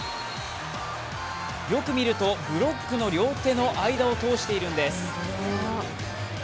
よく見るとブロックの両手の間を通しているんです。